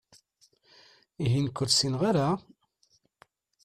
Ihi nekki ur ssineɣ ara?